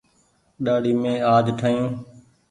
ڏآڙي مين آج ٺآيون ۔